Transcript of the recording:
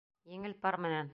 Еңел пар менән!